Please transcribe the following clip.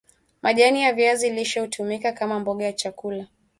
majani ya viazi lishe hutumika kama mboga ya chakula